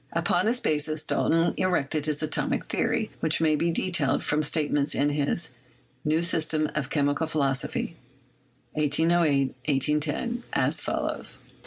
Upon this basis Dalton erected his Atomic Theory, which may be detailed from statements in his "New System of Chemical Philosophy'' (1808 1810), as follows: 1.